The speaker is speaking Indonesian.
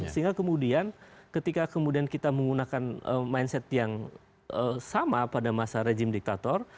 sehingga kemudian ketika kemudian kita menggunakan mindset yang sama pada masa rejim diktator